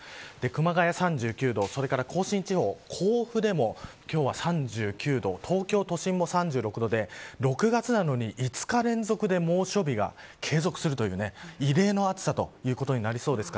熊谷３９度、甲信地方甲府でも今日は３９度東京都心も３６度で６月なのに５日連続で猛暑日が継続するという異例の暑さということになりそうです。